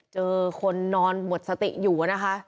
เจอคนนอนหมดสติอยู่นะคะ